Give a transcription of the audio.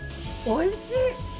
おいしい！